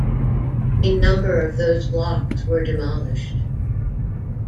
A number of those blocks were demolished.